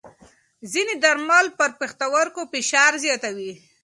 ځینې درمل پر پښتورګو فشار زیاتوي.